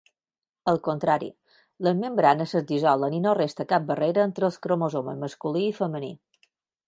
Al contrari, les membranes es dissolen i no resta cap barrera entre els cromosomes masculí i femení.